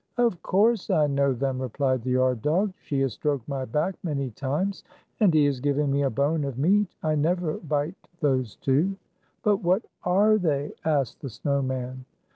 "Of course I know them," replied the yard dog. "She has stroked my back many times, and he has given me a bone of meat. I never bite those two." "But what are they?" asked the snow man.